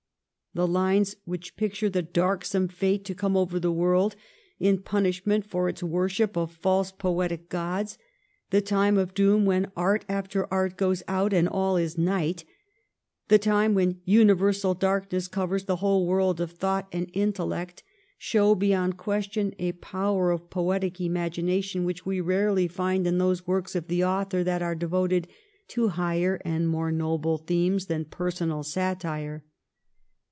The lines which picture the darksome fate to come over the world in punish ment for its worship of false poetic gods, the time of doom when ' art after art goes out, and all is night,' the time when universal darkness covers the whole world of thought and intellect, show beyond question a power of poetic imagination which we rarely find » 2 244 THE REIGN OF QUEEN ANNE. CH. xxxii. in those works of the author that are devoted to higher and more noble themes than personal satire.